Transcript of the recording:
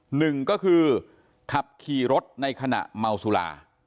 หนึ่งก็คือขับขี่รถในขณะเมาสุรา